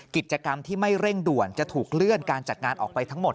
กิจกรรมที่ไม่เร่งด่วนจะถูกเลื่อนการจัดงานออกไปทั้งหมด